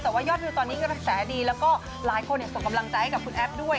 แต่ว่ายอดวิวตอนนี้กระแสดีแล้วก็หลายคนส่งกำลังใจให้กับคุณแอฟด้วย